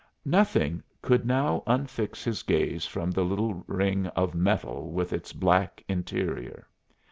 Nothing could now unfix his gaze from the little ring of metal with its black interior.